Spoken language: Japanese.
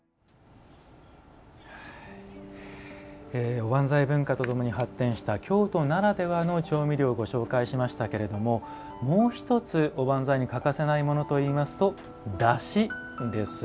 おばんざい文化とともに発展した京都ならではの調味料をご紹介しましたけれどもう１つ、おばんざいに欠かせないものといいますとだしです。